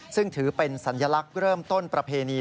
ซึ่งถือเป็นสัญลักษณ์เริ่มต้นประเพณี